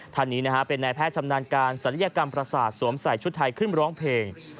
ท่านนี้นะฮะเป็นนายแพทย์ชำนาญการศัลยกรรมประสาทสวมใส่ชุดไทยขึ้นร้องเพลง